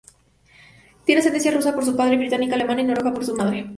Tiene ascendencia rusa por su padre y británica, alemana y noruega por su madre.